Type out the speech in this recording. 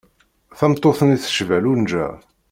Tameṭṭut-nni tecba Lunja.